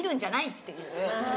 っていう。